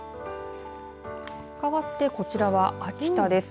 かわって、こちらは秋田です。